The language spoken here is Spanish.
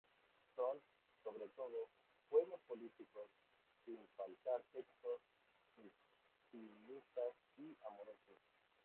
Son, sobre todo, poemas políticos, sin faltar textos intimistas y amorosos.